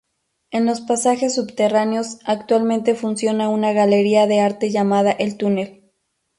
En los pasajes subterráneos actualmente funciona una galería de arte llamada "El Túnel"